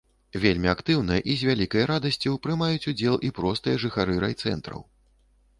Вельмі актыўна і з вялікай радасцю прымаюць удзел і простыя жыхары райцэнтраў.